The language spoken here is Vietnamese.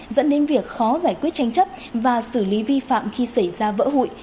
dẫn đến việc khó giải quyết tranh chấp và xử lý vi phạm khi xảy ra vỡ hụi